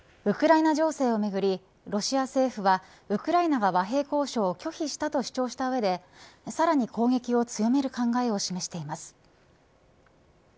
ウクライナ情勢をめぐりロシア政府はウクライナが和平交渉を拒否したと主張した上でさらに攻撃を強める考えを示しています。